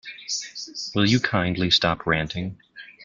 Will you kindly stop ranting?